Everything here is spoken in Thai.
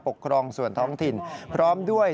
ปกครองส่วนท้องถิ่นพร้อมด้วย